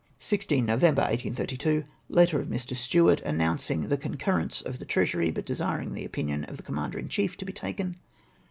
" I6th November, 1832. — Letter of Mr. Stewart, announcing the concurrence of the Treasury, but desiring the opinion of the Commajider in Chief to be taken.